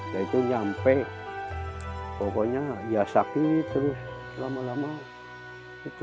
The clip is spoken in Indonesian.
dan itu nyampe pokoknya ya sakit terus lama lama gitu